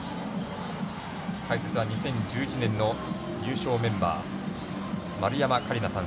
解説は２０１１年の優勝メンバー丸山桂里奈さん。